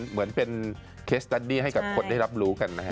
เหมือนเป็นเคสแดดดี้ให้กับคนได้รับรู้กันนะฮะ